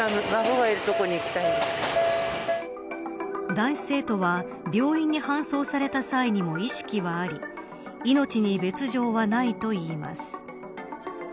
男子生徒は病院に搬送された際にも意識はあり命に別条はないといいます。